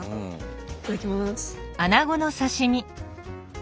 いただきます。